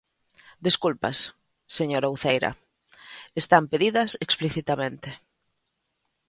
Desculpas, señora Uceira, están pedidas explicitamente.